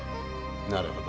なるほど。